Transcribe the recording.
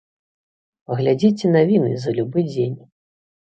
Паглядзіце навіны за любы дзень.